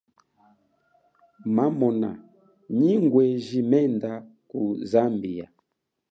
Mamona nyi ngweji menda ku Zambia.